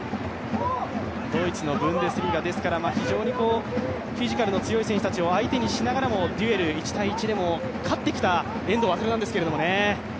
ドイツのブンデスリーガですから非常にフィジカルの強い選手たちを相手にしながらもデュエル、１対１でも勝ってきた遠藤航なんですけれどもね。